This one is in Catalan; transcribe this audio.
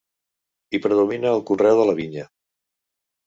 Hi predomina el conreu de la vinya.